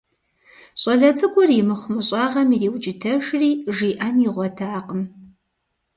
ЩӀалэ цӀыкӀур и мыхъумыщӀагъэм ириукӀытэжри, жиӀэн игъуэтакъым.